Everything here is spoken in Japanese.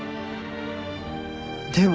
でも。